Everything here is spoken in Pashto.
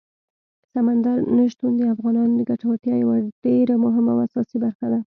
سمندر نه شتون د افغانانو د ګټورتیا یوه ډېره مهمه او اساسي برخه ده.